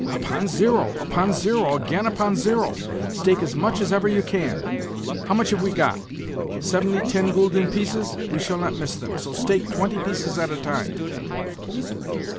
"Upon zero, upon zero! Again upon zero! Stake as much as ever you can. How much have we got? Seventy ten gülden pieces? We shall not miss them, so stake twenty pieces at a time."